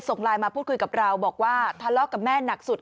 ส่งไลน์มาพูดคุยกับเราบอกว่าทะเลาะกับแม่หนักสุด